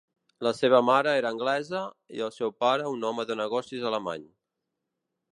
La seva mare era anglesa, i el seu pare un home de negocis alemany.